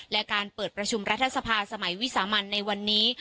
และการเปิดประชุมรัฐสภาสมัยวิสามันในวันนี้